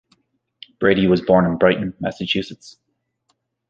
Brady was born in Brighton, Massachusetts.